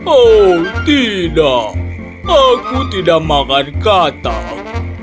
oh tidak aku tidak makan katak